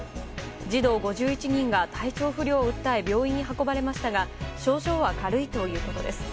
児童５１人が体調不良を訴え病院に運ばれましたが症状は軽いということです。